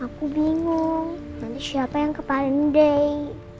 aku bingung nanti siapa yang kepaling day